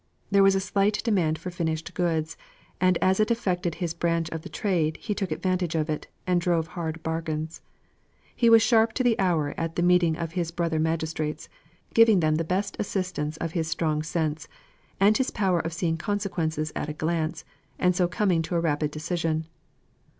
There was a slight demand for finished goods; and as it affected his branch of the trade, he took advantage of it, and drove hard bargains. He was sharp to the hour at the meeting of his brother magistrates, giving them the best assistance of his strong sense, and his power of seeing consequences at a glance, and so coming to a rapid decision.